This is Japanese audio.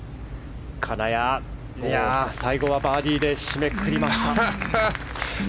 金谷、最後はバーディーで締めくくりました。